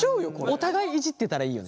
お互いいじってたらいいよね。